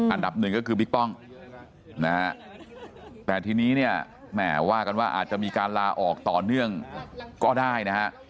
อันดับหนึ่งก็คือบิ๊กป้อมนะฮะแต่ทีนี้เนี่ยแหมว่ากันว่าอาจจะมีการลาออกต่อเนื่องก็ได้นะฮะ